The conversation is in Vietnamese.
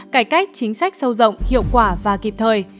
cải cách chính sách sâu rộng hiệu quả và kịp thời